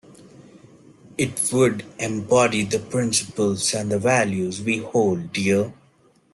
It would embody the principles and values we hold dear.